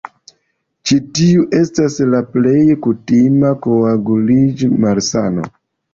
Ĉi tiu estas la plej kutima koaguliĝ-malsano.